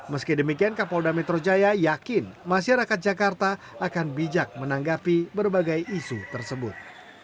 meski demikian kapolda metro jaya yakin masyarakat jakarta akan bijak menanggapi berbagai isu tersebut